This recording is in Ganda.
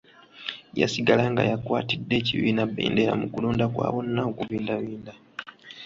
Yasigala nga yakwatidde ekibiina bbendera mu kulonda kwa bonna okubindabinda